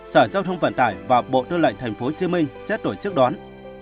sở giao thông vận tải và bộ tư lệnh tp hcm xét đổi trước đoán